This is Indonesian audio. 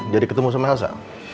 jadi ketemu sama elsa